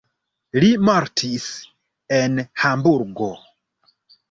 Li mortis en Hamburgo.